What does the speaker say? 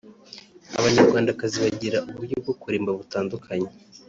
Abanyarwandakazi bagira uburyo bwo kurimba butandukanye